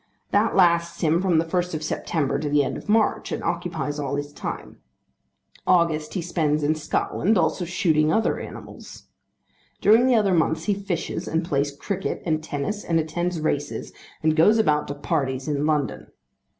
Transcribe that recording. That lasts him from the 1st of September to the end of March, and occupies all his time. August he spends in Scotland, also shooting other animals. During the other months he fishes, and plays cricket and tennis, and attends races, and goes about to parties in London.